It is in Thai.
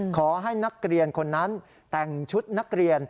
ขอให้นักเรียนคนนั้นแต่งชุดนักเรียน